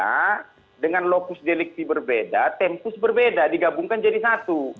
karena dengan lokus delikti berbeda tempus berbeda digabungkan jadi satu